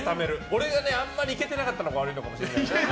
俺があまり行けてなかったのが悪いのかもしれない。